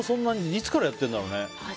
いつからやってるんだろうね。